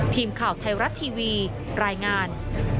ทีมข่าวไทยรัฐทีวีรายงาน